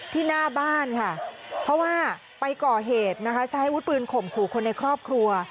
หน้าบ้านค่ะเพราะว่าไปก่อเหตุนะคะใช้อาวุธปืนข่มขู่คนในครอบครัว